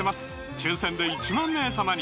抽選で１万名様に！